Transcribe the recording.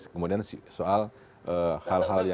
kemudian soal hal hal yang